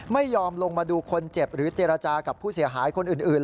ไม่ยอมลงมาดูคนเจ็บหรือเจรจากับผู้เสียหายคนอื่น